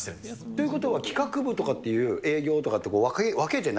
ということは、企画部とかっていう営業とかって分けてな